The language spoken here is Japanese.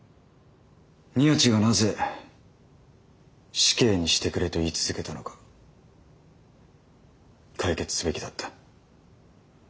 宮地がなぜ死刑にしてくれと言い続けたのか解決すべきだった。